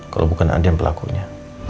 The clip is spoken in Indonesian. kalau bukan andien pelakunya